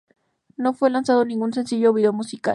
No fue lanzado ningún sencillo o video musical.